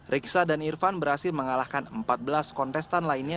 riksa dan irfan berhasil mengalahkan empat belas kontestan lainnya